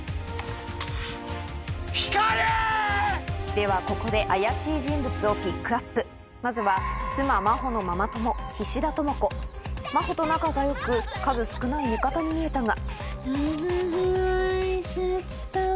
ではここで怪しい人物をピックアップまずは真帆と仲が良く数少ない味方に見えたが